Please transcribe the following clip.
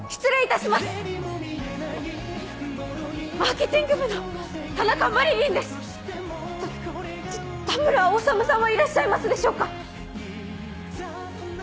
た田村収さんはいらっしゃいますでしょうか？